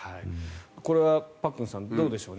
これはパックンさんどうでしょうね。